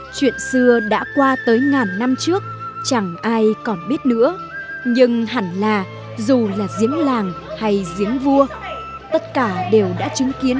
chuyện xưa đã qua tới ngàn năm trước chẳng ai còn biết nữa nhưng hẳn là dù là diếng làng hay diếng viết làng